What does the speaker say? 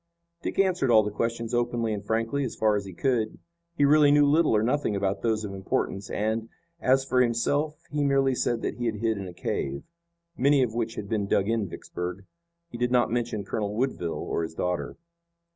Dick answered all the questions openly and frankly as far as he could. He really knew little or nothing about those of importance, and, as for himself, he merely said that he had hid in a cave, many of which had been dug in Vicksburg. He did not mention Colonel Woodville or his daughter.